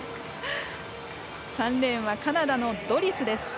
３レーンはカナダのドリスです。